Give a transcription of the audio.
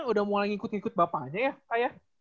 udah mulai ngikut ngikut bapak aja ya kak ya